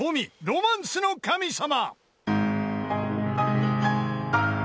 『ロマンスの神様』］